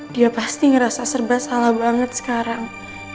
dia pasti ngerasa serba salah banget sekarang